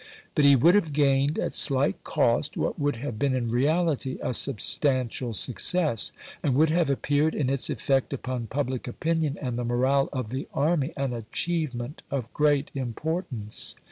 But he would have gained, at slight cost, what would have been in reality a substantial success, and would have appeared, in its effect upon public opinion and the morale of the army, an achievement of great importance.